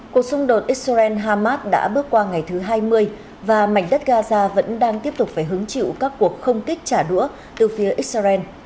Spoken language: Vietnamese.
cuộc xung đột israel hamas đã bước qua ngày thứ hai mươi và mảnh đất gaza vẫn đang tiếp tục phải hứng chịu các cuộc không kích trả đũa từ phía israel